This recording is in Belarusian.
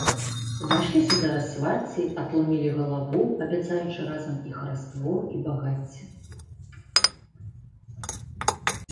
Знайшліся зараз свацці, атлумілі галаву, абяцаючы разам і хараство і багацце.